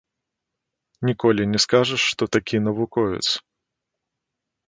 Ніколі не скажаш, што такі навуковец.